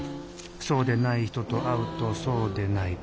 そうでない人と会うとそうでない。